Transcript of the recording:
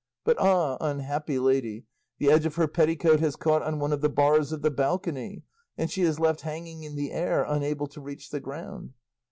But ah! unhappy lady, the edge of her petticoat has caught on one of the bars of the balcony and she is left hanging in the air, unable to reach the ground.